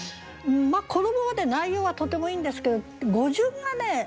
このままで内容はとてもいいんですけど語順がね。